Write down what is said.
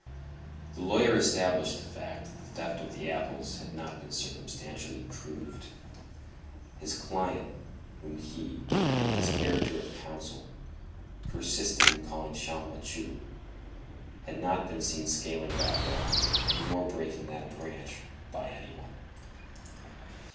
The lawyer established the fact that the theft of the apples had not been circumstantially proved. His client, whom he, in his character of counsel, persisted in calling Champmathieu, had not been seen scaling that wall nor breaking that branch by any one.